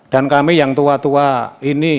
dan kami yang tua tua ini